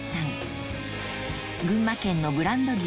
群馬県のブランド牛